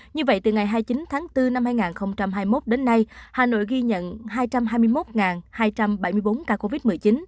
như vậy từ ngày hai mươi chín tháng bốn năm hai nghìn hai mươi một đến nay hà nội ghi nhận hai trăm hai mươi một hai trăm bảy mươi bốn ca covid một mươi chín